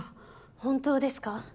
本当ですか？